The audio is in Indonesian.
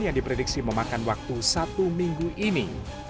yang diprediksi memakan waktu satu minggu ini